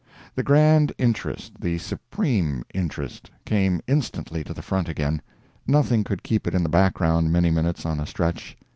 The grand interest, the supreme interest, came instantly to the front again; nothing could keep it in the background many minutes on a stretch.